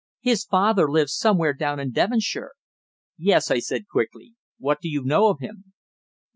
"His father lives somewhere down in Devonshire." "Yes," I said quickly. "What do you know of him?"